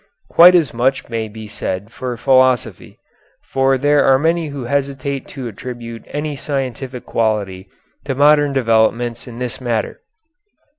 Quite as much may be said for philosophy, for there are many who hesitate to attribute any scientific quality to modern developments in the matter.